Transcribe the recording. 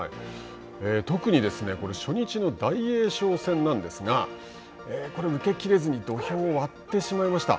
特にですね、これ初日の大栄翔戦なんですがこれ、受けきれずに土俵を割ってしまいました。